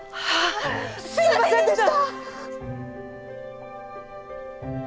すいませんでした！